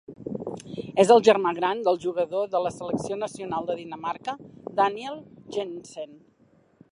És el germà gran del jugador de la selecció nacional de Dinamarca Daniel Jensen.